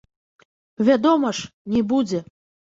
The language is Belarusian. Вядома ж, не будзе.